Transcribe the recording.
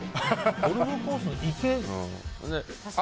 ゴルフコースの池。